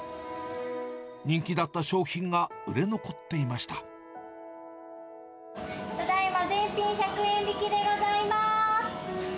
人気だった商品が売れ残っていまただいま、全品１００円引きでございます。